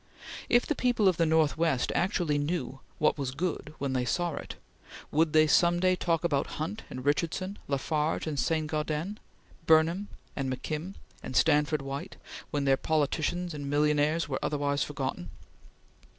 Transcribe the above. If the people of the Northwest actually knew what was good when they saw it, they would some day talk about Hunt and Richardson, La Farge and St. Gaudens, Burnham and McKim, and Stanford White when their politicians and millionaires were otherwise forgotten.